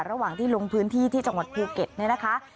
ระหว่างที่ลงพื้นที่ที่จังหวัดภูเก็ตเนี่ยนะคะ